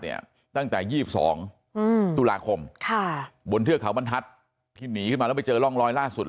เนี่ยตั้งแต่๒๒ในสัปดาห์ธุระคมบนเทือกเขาบันทัศน์ที่หนีมาแล้วไปเจอล่องลอยล่าสุด